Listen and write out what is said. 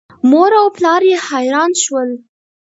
مور او پلار یې حیران شول.